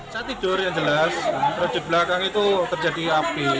saya tidur yang jelas di belakang itu terjadi api